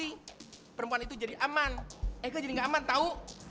ngantor polisi perempuan itu jadi aman eike jadi gak aman tau